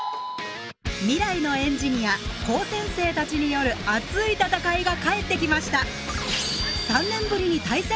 未来のエンジニア高専生たちによる熱い戦いが帰ってきました。